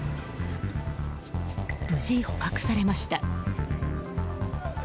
無事捕獲されました。